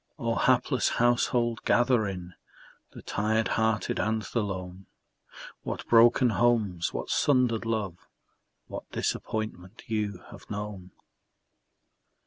Oh, hapless household, gather in The tired hearted and the lone! What broken homes, what sundered love, What disappointment you have known!